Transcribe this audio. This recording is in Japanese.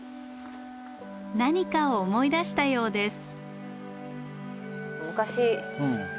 何かを思い出したようです。